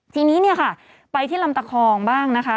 ทีนี้เนี่ยค่ะไปที่ลำตะคองบ้างนะคะ